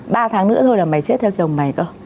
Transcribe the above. ba tháng nữa thôi là mày chết theo chồng mày cơ